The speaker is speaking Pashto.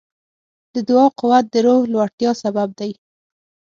د دعا قوت د روح لوړتیا سبب دی.